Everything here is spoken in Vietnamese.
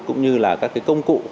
cũng như là các cái công cụ